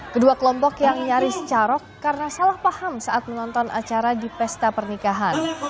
kedua kelompok yang nyaris carok karena salah paham saat menonton acara di pesta pernikahan